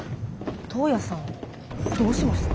トウヤさんどうしました？